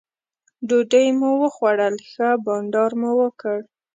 ډوډۍ مو وخوړل ښه بانډار مو وکړ.